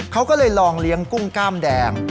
เขาก็เลยลองเลี้ยงกุ้งกล้ามแดง